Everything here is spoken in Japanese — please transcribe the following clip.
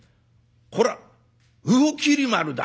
こら『魚切丸』だ。